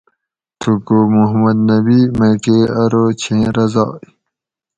تھوکو محمد نبی میکہ ارو چھیں رضاۓ